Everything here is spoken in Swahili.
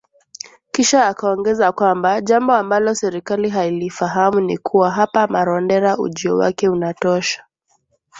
Kisha akaongeza kwamba jambo ambalo serikali hailifahamu ni kuwa hapa Marondera ujio wake unatosha